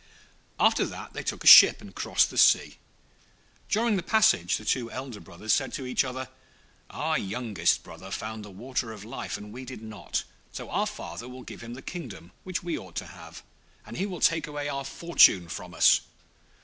After that they took a ship and crossed the sea. During the passage the two elder brothers said to each other, 'Our youngest brother found the Water of Life, and we did not, so our father will give him the kingdom which we ought to have, and he will take away our fortune from us.'